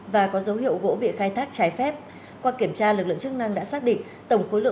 và có dấu hiệu gỗ bị khai thác trái phép qua kiểm tra lực lượng chức năng đã xác định tổng khối lượng